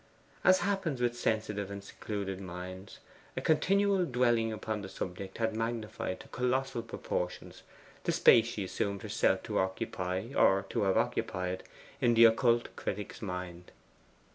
As happens with sensitive and secluded minds, a continual dwelling upon the subject had magnified to colossal proportions the space she assumed herself to occupy or to have occupied in the occult critic's mind.